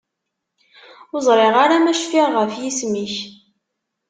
Ur ẓriɣ ara ma cfiɣ ɣef yisem-ik.